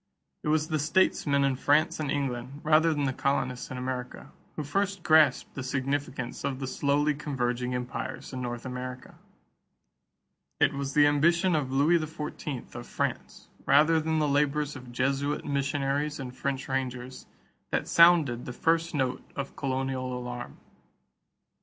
It was the statesmen in France and England, rather than the colonists in America, who first grasped the significance of the slowly converging empires in North America. It was the ambition of Louis XIV of France, rather than the labors of Jesuit missionaries and French rangers, that sounded the first note of colonial alarm.